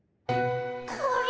これ。